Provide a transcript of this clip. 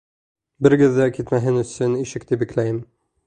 Берегеҙ ҙә китмәһен өсөн, ишекте бикләйем.